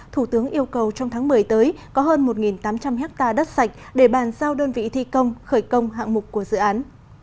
thủ tướng yêu cầu trong tháng một mươi tới có hơn một tám trăm linh hectare đất sạch để bàn giao đơn vị thi công khởi công hạng mục của dự án